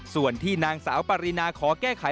ส่วนที่นางสาวปรินาขอแก้ไข